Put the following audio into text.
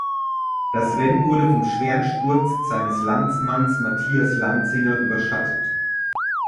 Das Rennen wurde vom schweren Sturz seines Landsmanns Matthias Lanzinger überschattet.